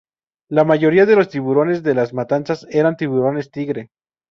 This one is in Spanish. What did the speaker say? La mayoría de los tiburones de las matanzas eran tiburones tigre.